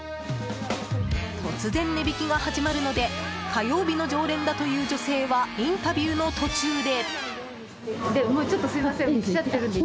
突然値引きが始まるので火曜日の常連だという女性はインタビューの途中で。